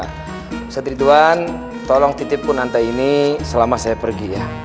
ustaz rituan tolong titip pun anta ini selama saya pergi ya